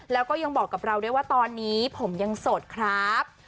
แล้วก็ยังบอกกับเราด้วยว่าตอนนี้ผมยังโสดครับ